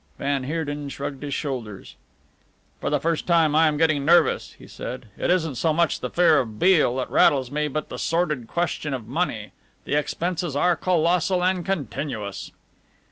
Van Heerden shrugged his shoulders. "For the first time I am getting nervous," he said. "It isn't so much the fear of Beale that rattles me, but the sordid question of money. The expenses are colossal and continuous."